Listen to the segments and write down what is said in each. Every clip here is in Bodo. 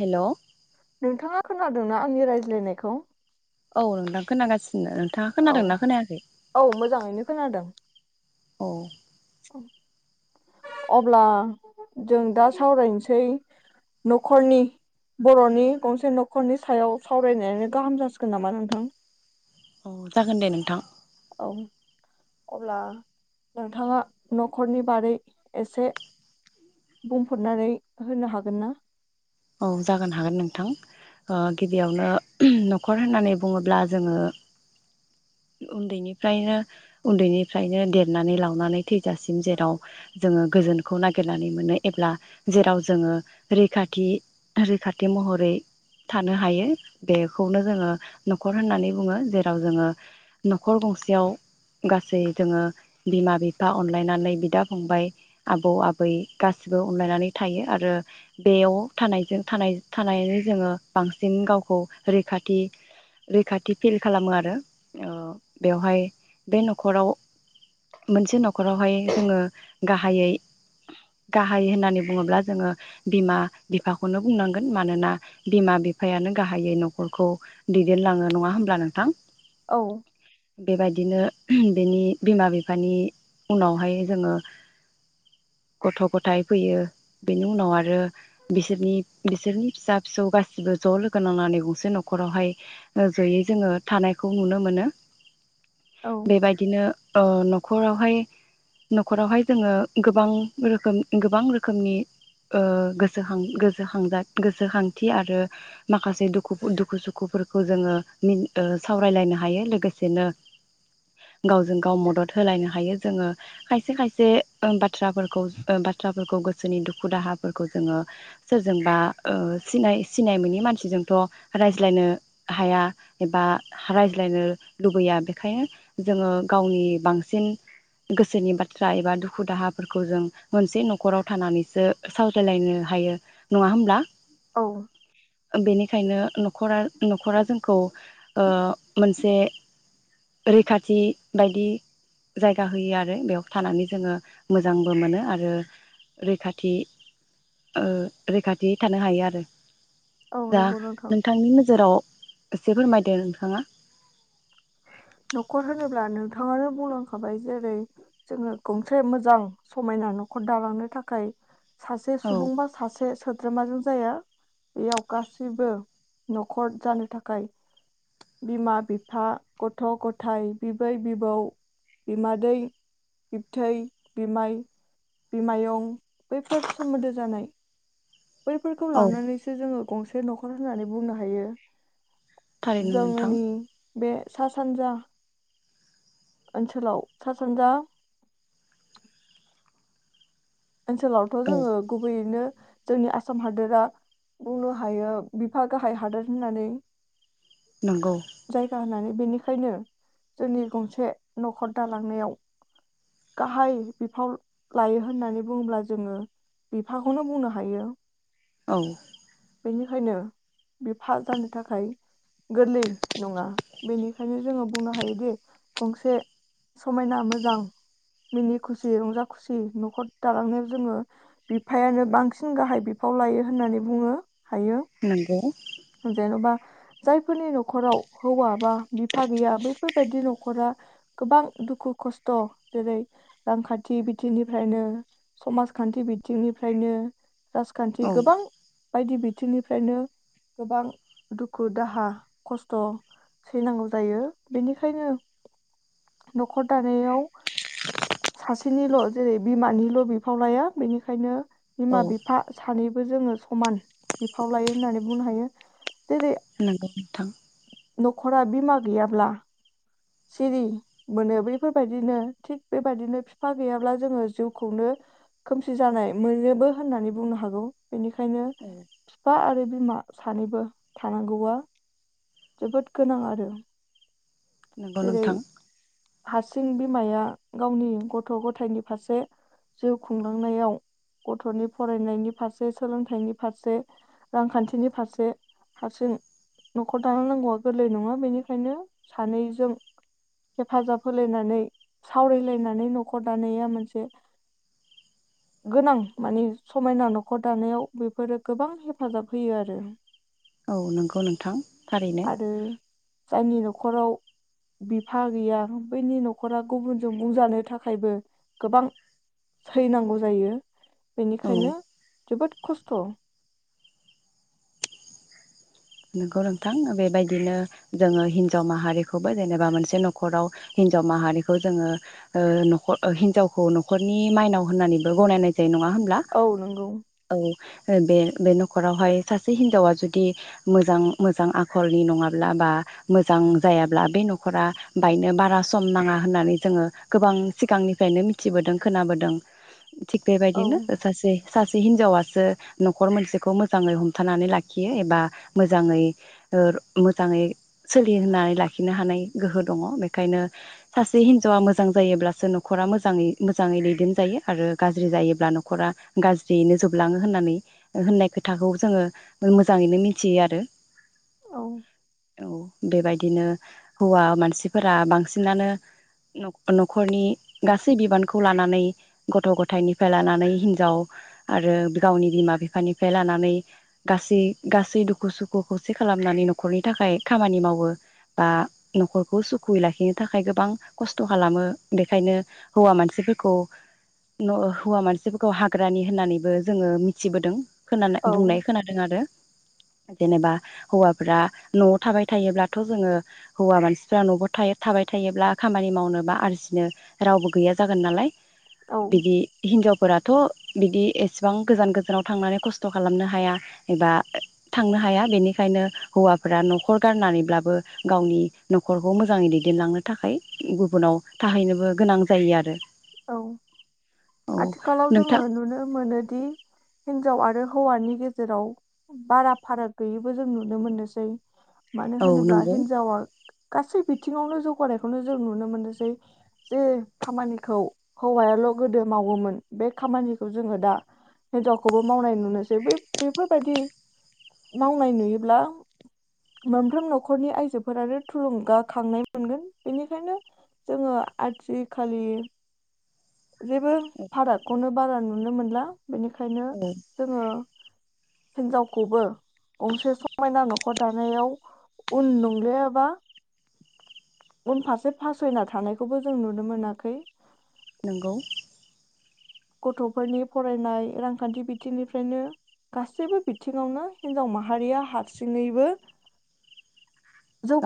हेल'? नोंथाङा खोनादोंना आंनि रायज्लायनायखौ? औ नोंथां खोनागासिनो ओं । औ औ मोजाङैनो खोनादों। औ। अब्ला जों दा सावरायनोसै न'खरनि बर'नि गंसे न'खरनि सायाव सावरायनायानो गाहाम जासिगोन नामा नोंथां? अह जागोन दे नोंथां। औ, अब्ला नोंथाङा न'खरनि बारै एसे बुंफोरनानै होनो हागोन ना? औ जागोन हागोन नोंथां। ओ गिबियावनो न'खर होननानै बुङोब्ला जोङो उन्दैनिफ्रायनो उन्दैनिफ्रायनो देरनानै लावनानै थैजासिम जेराव जोङो गोजोनखौ नागिरनानै मोनो एब्ला जेराव जोङो रैखाथि रैखाथि महरै थानो हायो, बेखौनो जोङो न'खर होननानै बुङो जेराव जोङो न'खर गंसेयाव गासै जोङो बिमा बिफा अनलायनानै बिदा फंबाय आबौ आबै गासैबो अनलायनानै थायो आरो बेव थानायजों थानाय थानाय जोङो बांसिन गावखौ रैखाथि रैखाथि फिल खालामो आरो बेवहाय बे न'खराव मोनसे न'खरावहाय जोङो गाहायै गाहाइ होननानै बुङोब्ला जोङो बिमा बिफाखौनो बुंनांगोन मानोना बिमा बिफायानो गाहायै न'खरखौ दैदेनलाङो नङा होमब्ला नोंथां? औ । बेबादिनो बेनि बिमा बिफानि उनावहाय जोङो गथ' गथाय फैयो बेनि उनाव आरो बिसोरनि बिसोरनि फिसा फिसौ गासिबो ज' लोगो नांनानै गंसे न'खरावहाय ज'यै जोङो थानायखौ नुनो मोनो औ । बेबादिनो ओ न'खरावहाय न'खरावहाय जोङो गोबां रोखोम गोबां रोखोमनि ओ गोस गोसोखां-गोसोखांजा गोसोखांथि आरो माखासे दुखु दुखु सुखुफोरखौ जोङो मिन ओ सावरायलायनो हायो। लोगोसेनो गावजों गाव मदद होलायनो हायो। जोङो खायसे खायसे ओ बाथ्राफोरखौ ओ बाथ्राफोरखौ गोसोनि दुखु दाहाफोरखौ जोङो सोरजोंबा ओ सिनाय सिनाय मोनोनि मानसिजोंथ' रायज्लायनो हाया एबा रायज्लायनो लुबैया बेखायनो जोङो गावनि बांसिन गोसोनि बाथ्रा एबा दुखु दाहाफोरखौ जों मोनसे न'खराव थानानैसो सावज्लायलायनो हायो नङा होमब्ला? औ। बेनिखायनो न'खरा न'खरा जोंखौ ओ मोनसे रैखाथि बायदि जायगा होयो आरो बेयाव थानानै जोङो मोजांबो मोनो आरो रैखाथि ओ रैखाथि थानो हायो आरो। औ दा नंगौ नोंथां नोंथांनि नोजोराव एसे फोरमायदो नोंथाङा। न'खर होनोब्ला नोंथाङानो बुंलांखाबाय जेरै जोङो गंसे मोजां समायना न'खर दालांनो थाखाय सासे औ सुबुं बा सासे सोद्रोमाजों जाया। बेयाव गासैबो न'खर जानो थाखाय बिमा बिफा गथ' ग'थाय, बिबै बिबौ, बिमादै बिबथै, बिमाय, बिमायं बैफोर सोमोन्दो जानाय बैफोरखौ औ लानानैसो जोङो गंसे न'खर होननानै बुंनो हायो। थारैनो नोंथां जोंनि बे सा सानजा ओनसोलाव सा सानजा ओनसोलावथ' औ जोङो गुबैयैनो जोंनि आसाम हादोरा बुंनो हायो बिफा गाहाय हादोर होननानै। नंगौ जायगा होननानै। बेनिखायनो जोंनि गंसे न'खर दालांनायाव गाहाय बिफाव लायो होननानै बुंब्ला जोङो बिफाखौनो बुंनो हायो। औ। बेनिखायनो बिफा जानो थाखाय गोरलै नङा। बेनिखायनो जोङो बुंनो हायोदि गंसे समायना मोजां मिनि खुसि रंजा खुसि न'खर दालांनायाव जोङो बिफायानो बांसिन गाहाय बिफाव लायो होननानै बुङो‌। हायो नंगौ जेनबा जायफोरनि न'खराव हौवा बा बिफा गैया बैफोरबायदि न'खरा गोबां दुखु खस्थ जेरै रांखान्थि बिथिंनिफ्रायनो समाजखान्थि बिथिंनिफ्रायनो राजखान्थि औ गोबां बायदि बिथिंनिफ्रायनो गोबां दुखु दाहा खस्थ सैनांगौ जायो बेनिखायनो न'खर दानायाव सासे बिसिनिल जेरै बिमानिल बिफाव लाया बेनिखायनो औ बिमा बिफा सानैबो [unintelligible] जोङो समान बिफाव लायो होननानै बुंनो हायो। [unintelligible] नोंगौ नोंथां‌। न'खरा बिमा गैयाब्ला सिरि मोनो बैफोरबायदिनो थिग बेबायदिनो बिफा गैयाब्ला जोङो जिउखौनो खोमसि जानाय मोनोबो होननानै बुंनो हागौ। बेनिखायनो औ बिफा आरो बि बिमा सानैबो थानांगौआ जोबोद गोनां आरो। नंगौ जेरै नोंथां। हारसिं बिमाया गावनि गथ' गथायनि फारसे जिउ खुंलांनायाव गथनि फरायनायनि फारसे सोलोंथाइनि फारसे रांखान्थिनि फारसे हारसिं न'खर दालांनांगौआ गोरलै नङा बेनिखायनो सानैजों हेफाजाब होलायनानै सावरायलायनानै न'खर दानाया मोनसे गोनां माने समायना न'खर दानायाव बेफोरो गोबां हेफाजाब होयो आरो। औ नंगौ नोंथां थारैनो। खराव हा गैया बैनि नखरा गुबुनजों बुंजानो थाखायबो गोबां सैनांगौ जायो। औ बेनिखायनो जोबोद खस्थ नंगौ नोंथां बेबायदिनो जोङो हिनजाव माहारिखौबो जेनेबा मोनसे नख'राव हिनजाव माहारिखौ जोङो नखर हिनजावखौ नख'रनि माइनाव होननानैबो गनायनाय जायो नङा होन ल्बा औ नंगौ औ। बे बे न'खरावहाय सासे हिन्जावा जुदि मोजां मोजां आखलनि नङाब्ला बा मोजां जायाब्ला बे न'खरा बायनो बारा सम नाङा होननानै जोङो गोबां सिगांनिफ्रायनो मिथिबोदों खोनाबोदों थिग औ बेबायदिनो सासे सासे हिनजावासो न'खर मोनसेखौ मोजाङै हमथानानै लाखियो एबा मोजाङै मोजाङै सोलि होननानै लाखिनो हानाय गोहो दङ बेखायनो सासे हिन्जावा मोजां जायोब्लासो न'खरा मोजाङै मोजाङै दैदेनजायो आरो गाज्रि जायोब्ला न'खरा गाज्रियैनो जोबलाङो होननानै होननाय खोथाखौ जोङो मोजाङैनो मि थियो आरो। औ औ। बेबायदिनो हौवा मानसिफोरा बांसिनानो नख'रनि गासै बिबानखौ लानानै गथ' गथायनिफ्राय लानानै हिनजाव आरो गावनि बिमा बिफानिफ्राय लानानै गासै गा सै दुखु सुखु खौसे खालामनानै नख'रनि थाखाय खामानि मावो बा न'खरखौ सुखुयै लाखिनो थाखाय गोबां खस्थ खालामो बेखायनो हौवा मानसिफोरखौ हौवा मानसिफोरखौ हाग्रानि होननानैबो जोङो मिथिबोदों खोनानाय औ बुंनाय खोनादों आरो। जेनेबा हौवाफ्रा न'आव थाबाय थायोब्लाथ जोङो हौवा मानसिफ्रा न' थाबाय थायोब्ला खामानि मावनो बा आरजिनो रावबो गैया जागोन नालाय औ बिदि हिनजाव फोराथ' बिदि एसेबां गोजान गोजानाव थांनानै खस्थ' खालामनो हाया एबा थांनो हाया बेनिखायनो हौवाफोरा नखर गारनानैब्लाबो गावनि नखरखौ मोजाङै दैदेनलांनो थाखाय गुबुनाव थाहैनोबो गोनां जायो आरो। औ औ आथिखालाव जोङो नोंथां नुनो मोनोदि हिनजाव आरो हौवानि गेजेराव बारा फाराग गैयैबो जों नुनो मोननोसै। मानो औ होनोब्ला नंगौ हिनजावा गासै बिथिङावनो जौगानायखौनो जों नुनो मोनोसै जे खामानिखौ हौवायाल' गोदो मावोमोन बे खामानिखौ जोङो दा हिनजावखौबो मावनाय नुनोसै बे बेफोरबायदि मावनाय नुयोब्ला मोनफ्रोम नखरनि आइजोफोरानो थुलुंगाखांनाय मोनगोन बेनिखायनो जोङो आथिखालि जेबो फारागखौनो बारा नुनो मोनला। बेनिखायनो औ जोङो हिनजावखौबो गंसे समायना नखर दानायाव उन नंलिया एबा उनफारसे फासयना थानायखौबो जों नुनो मोनाखै। नोंगौ। गथ'फोरनि फरायनाय रांखान्थि बिथिंनिफ्रायनो गासैबो बिथिङावनो हिनजाव माहारिया हारसिङैबो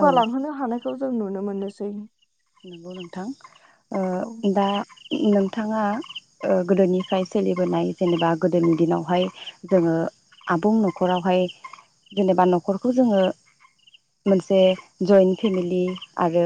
औ हानाय खौ जों नुनो मोननोसै। नोंगौ नोंथां ओ औ दा नोंथाङा गोदोनिफ्राय ओ सोलिबोनाय जेनेबा गोदोनि दिनावहाय जोङो आबुं न'खरावहाय जेनेबा न'खरखौ जोङो मोनसे जइन्ट फेमिलि आरो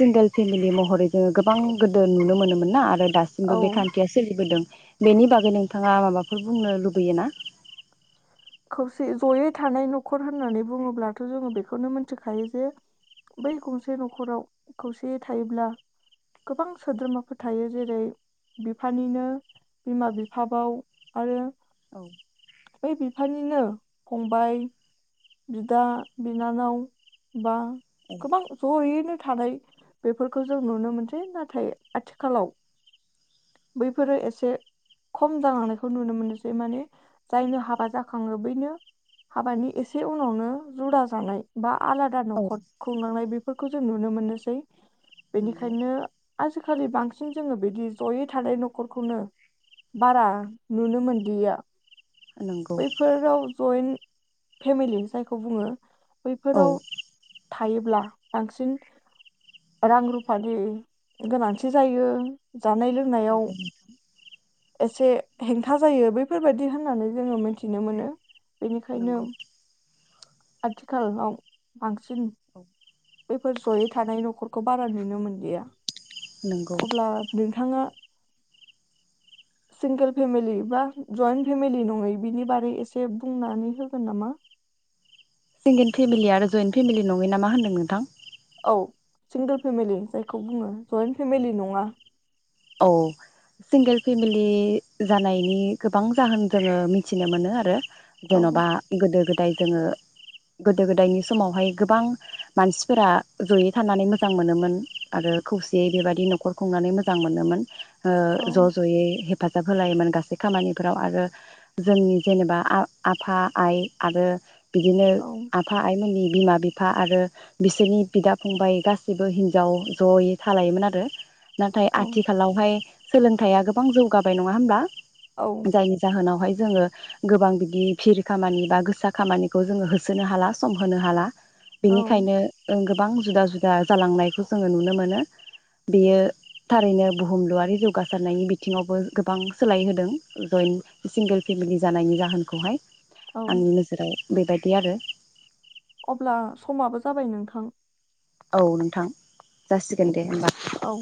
सिंगोल फेमिलि महरै जोङो गोबां गोदो नुनो मोनोमोन ना आरो औ दासिमबो बे खान्थिया सोलिबोदों। बेनि बागै नोंथाङा माबाफोर बुंनो लुबैयो ना। खौसे जयै थानाय न'खर होननानै बुङोब्लाथ' जोङो बेखौनो मोनथिखायो जे बै गंसे न'खराव खौसेयै थायोब्ला गोबां सोद्रोमाफोर थायो जेरै बिफानिनो बिमा बिफाबाव आरो औ। निनो फंबाय बिदा बिनानाव बा औ गोबां जयैनो थानाय बेफोरखौ जों नुनो मोनसै नाथाय आथिखालाव बैफोरो एसे खम जालांनायखौ नुनो मोनसै माने जायनो हाबा जाखांङो बैनो हाबानि एसे से उनावनो जुदा जानाय बा आलादा औ न'खर खुंलांनाय बे फोरखौ जों नुनो मोननोसै। नंगौ बेनिखायनो आजि खालि बांसिन जोङो बिदि जयै थानाय न'खरखौनो बारा नुनो मोनदिया। नंगौ बैफोराव जयेन फेमिलि जायखौ बुङो औ बैफोराव थायोब्ला बांसिन रां रुफानि गोनांथि जायो। जानाय लोंनायाव नंगौ एसे हेंथा जायो बेफोरबायदि होननानै जोङो मिथिनो मोनो बिनिखायनो नंगौ आथिखालाव बां सिन औ बैफोर जयै थानाय न'खरखौ बारा नुनो मोनलिया। नंगौ अब्ला नोंथाङा सिंगोल फेमिलि बा जइन्ट फेमिलि नङै बिनि बारै एसे बुंनानै होगोन नामा? सिंगेल फेमिलि आरो जयन्ट फेमिलि नङै ना मा होनदों नोंथां? औ सिंगोल फेमिलि जायखौ बुङो जयन्ट फेमिलि नङा औ सिंगेल फेमिलि जानायनि गोबां जाहोन जोङो मिथिनो मोनो आरो। औ जेन'बा गोदो गोद दाय जोङो गोदो गोदायनि समावहाय गोबां मानसिफोरा जयै थानानै मोजां मोनोमोन आरो खौसेयै बेबायदि न'खर खुंनानै मोजां मोनो मोन औ ओ ज' ज'यै हेफाजाब होलायोमोन गासै खामानिफोराव आरो जोंनि जेनेबा आ आफा आइ आरो बिदिनो औ आफा आइमोननि बिमा-बिफा आरो बिसोरनि बिदा-फंबाय गासैबो हिनजाव ज'यै थालायोमोन आरो। नाथाय औ आ थिखालावहाय सोलोंथाइया गोबां जौगाबाय नङा होमब्ला? औ जायनि जाहोनावहाय जोङो गोबां बिदि भिर खामानि बा गोसा खामानिखौ जोङो होसोनो हाला सम होनो हाला औ बेनिखायनो ओं गोबां जुदा-जुदा जालांनायखौ जोङो नुनो मोनो बेयो थारैनो बुहुमलुआरि जौगासारनायनि बिथिङावबो गोबां सोलाय होदों जयन्ट सिंगेल फेमिलि जानायनि जाहोनखौहाय। औ आंनि नोजोराव बेबायदि आरो। अब्ला समाबो जाबाय नोंथां औ नोंथां जासिगोन दे होमबा। औ